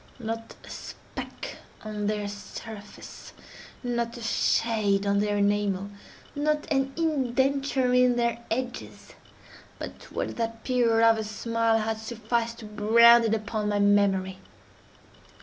Not a speck on their surface—not a shade on their enamel—not an indenture in their edges—but what that period of her smile had sufficed to brand in upon my memory.